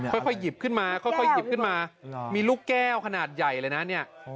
พยายามหยิบขึ้นมามีลูกแก้วขนาดใหญ่เลยนะ